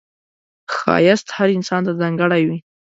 ښایست هر انسان ته ځانګړی وي